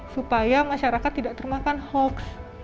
supaya masyarakat tidak termakan hoax